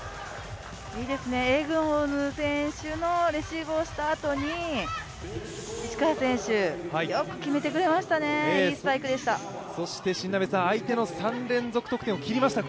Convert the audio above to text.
いいですね、エゴヌ選手のレシーブをしたあとに石川選手、よく決めてくれましたねいいスパイクでした。